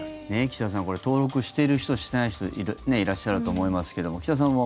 岸田さん、これ登録している人、していない人いらっしゃると思いますけども岸田さんは？